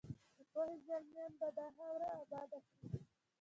د پوهې زلمیان به دا خاوره اباده کړي.